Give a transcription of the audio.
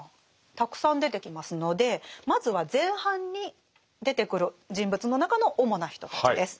たくさん出てきますのでまずは前半に出てくる人物の中の主な人たちです。